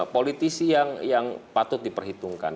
politisi yang patut diperhitungkan